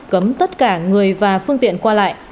cấm tất cả người và phương tiện qua lại